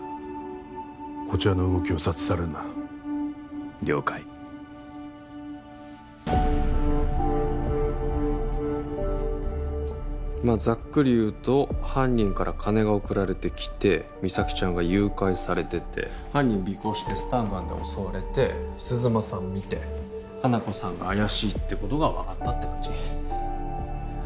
こちらの動きを察知されるな了解まっざっくり言うと犯人から金が送られてきて実咲ちゃんが誘拐されてて犯人尾行してスタンガンで襲われて鈴間さん見て香菜子さんが怪しいってことが分かったって感じ？